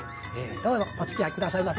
どうぞおつきあい下さいませ。